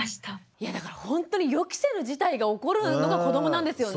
いやだからほんとに予期せぬ事態が起こるのが子どもなんですよね。